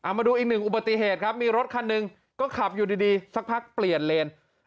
มาดูอีกหนึ่งอุบัติเหตุครับมีรถคันหนึ่งก็ขับอยู่ดีสักพักเปลี่ยนเลน